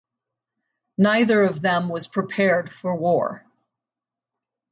Neither of them was prepared for war.